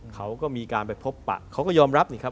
เขาก็มีการไปพบปะเขาก็ยอมรับนี่ครับ